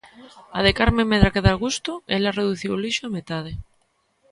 A de Carme medra que dá gusto e ela reduciu o lixo á metade.